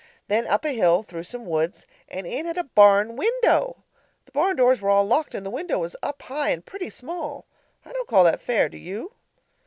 Then up a hill through some woods and in at a barn window! The barn doors were all locked and the window was up high and pretty small. I don't call that fair, do you?